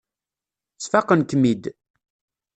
Sfaqen-kem-id.